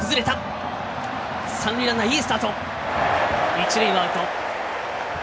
一塁はアウト。